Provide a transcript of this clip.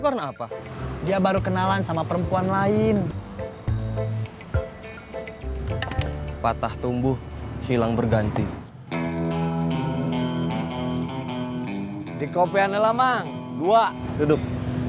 apa dia baru kenalan sama perempuan lain patah tumbuh hilang berganti di kopi anel amang dua duduk